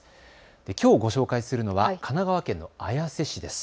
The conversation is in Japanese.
きょうご紹介するのは神奈川県の綾瀬市です。